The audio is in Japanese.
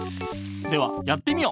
ではやってみよ。